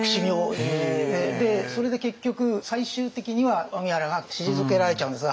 それで結局最終的には荻原が退けられちゃうんですが。